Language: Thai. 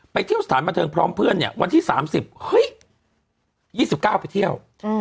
เที่ยวสถานบันเทิงพร้อมเพื่อนเนี่ยวันที่๓๐เฮ้ย๒๙ไปเที่ยว